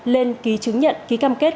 lên ký chứng nhận ký cam kết